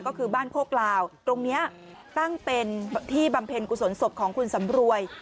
ก็คือบ้านโคกลาวตรงนี้ตั้งเป็นที่บำเพ็ญกุศลศพของคุณสำรวย